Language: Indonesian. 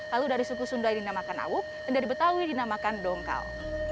lalu dari suku sunda yang dinamakan awuk dan dari betawi dinamakan dongkal